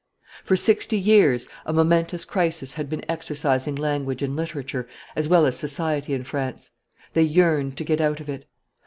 For sixty years a momentous crisis had been exercising language and literature as well as society in France. They yearned to get out of it.